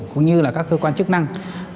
cũng như là các cơ quan chức năng